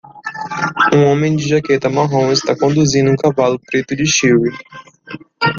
Um homem de jaqueta marrom está conduzindo um cavalo preto de shire.